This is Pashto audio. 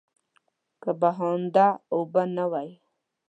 که بهانده اوبه نه وای.